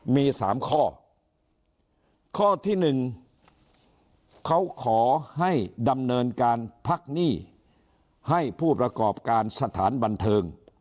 มี๓ข้อข้อที่หนึ่งเขาขอให้ดำเนินการพักหนี้ให้ผู้ประกอบการสถานบันเทิง